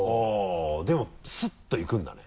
でもスッといくんだね。